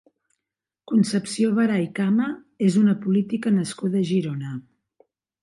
Concepció Veray Cama és una política nascuda a Girona.